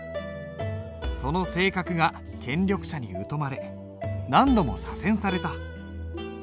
その性格が権力者に疎まれ何度も左遷された。